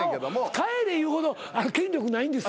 帰れ言うほど権力ないんです。